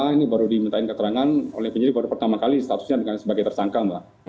ini baru dimintain keterangan oleh penyidik baru pertama kali statusnya sebagai tersangka mbak